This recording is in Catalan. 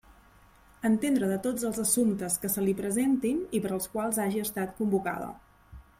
Entendre de tots els assumptes que se li presentin i per als quals hagi estat convocada.